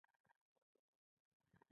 ولې مو ویښتان په کم عمر کې سپینېږي